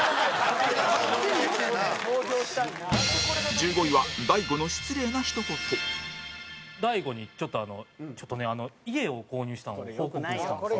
１５位は大悟の失礼なひと言大悟に、ちょっとね家を購入したのを報告したんですよ。